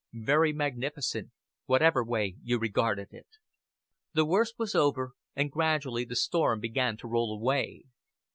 Very magnificent, whatever way you regarded it. The worst was over, and gradually the storm began to roll away.